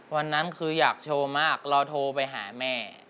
วันนั้นคืออยากโชว์มากเราโทรไปหาแม่